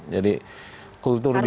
jadi kultur di